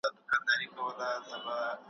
بس د اوښکو په لمن کي په خپل زخم کی اوسېږم ,